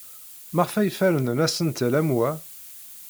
Maɣef ay fernen asentel am wa?